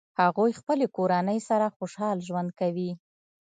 هغوی خپلې کورنۍ سره خوشحال ژوند کوي